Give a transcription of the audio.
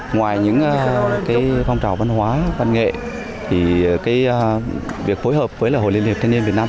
ngoài những phong trào văn hóa văn nghệ việc phối hợp với hội liên hiệp thanh niên việt nam